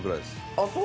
ああそう？